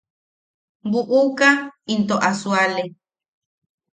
Buʼuka into a suale.